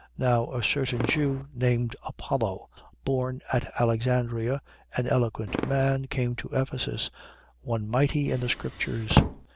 18:24. Now a certain Jew, named Apollo, born at Alexandria, an eloquent man, came to Ephesus, one mighty in the scriptures.